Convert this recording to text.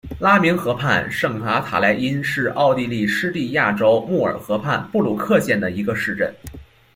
拉明河畔圣卡塔赖因是奥地利施蒂利亚州穆尔河畔布鲁克县的一个市镇。